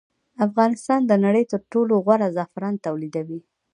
افغانستان د نړۍ تر ټولو غوره زعفران تولیدوي